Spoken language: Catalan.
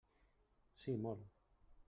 Sí, molt.